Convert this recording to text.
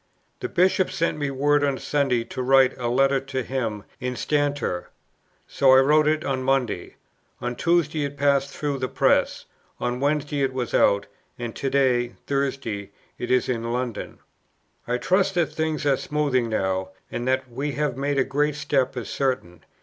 "The Bishop sent me word on Sunday to write a Letter to him 'instanter.' So I wrote it on Monday: on Tuesday it passed through the press: on Wednesday it was out: and to day [Thursday] it is in London. "I trust that things are smoothing now; and that we have made a great step is certain.